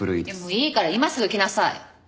いいから今すぐ来なさい。